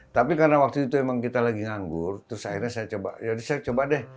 tapi karena waktu itu kita lagi nganggur terus akhirnya saya coba deh